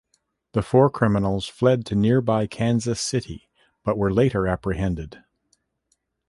The four criminals fled to nearby Kansas City, but were later apprehended.